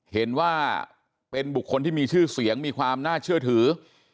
เห็นว่าเป็นบุคคลที่มีชื่อเสียงมีความน่าเชื่อถือ